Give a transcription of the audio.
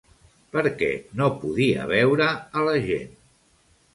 Per què no podia veure a la gent?